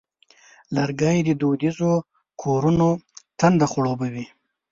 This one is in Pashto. لرګی د دودیزو کورونو تنده خړوبوي.